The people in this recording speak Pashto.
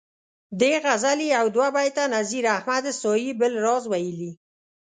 دې غزلي یو دوه بیته نذیر احمد تائي بل راز ویلي.